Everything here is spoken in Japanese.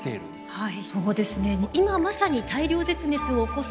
はい。